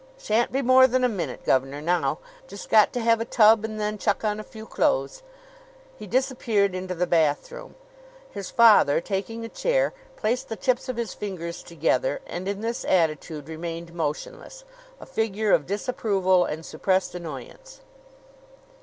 "Shan't be more than a minute, gov'nor, now. Just got to have a tub and then chuck on a few clothes." He disappeared into the bathroom. His father, taking a chair, placed the tips of his fingers together and in this attitude remained motionless, a figure of disapproval and suppressed annoyance.